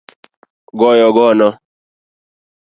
Goyo gono